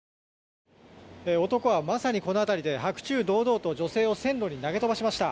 男は、まさにこの辺りで白昼堂々と女性を線路に投げ飛ばしました。